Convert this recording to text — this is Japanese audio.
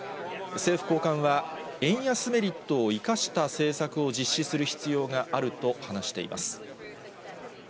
政府高官は、円安メリットを生かした政策を実施する必要があると話しています。